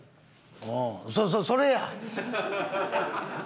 うんそうそうそれや！